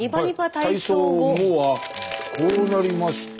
体操後はこうなりました。